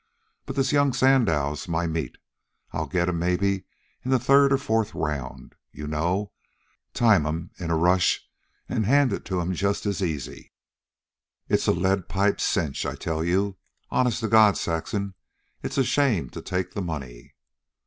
But this young Sandow's my meat. I'll get 'm maybe in the third or fourth round you know, time 'm in a rush an' hand it to 'm just as easy. It's a lead pipe cinch, I tell you. Honest to God, Saxon, it's a shame to take the money."